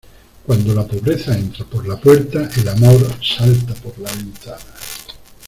Cuando la pobreza entra por la puerta, el amor salta por la ventana.